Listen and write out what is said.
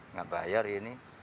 nggak bayar ini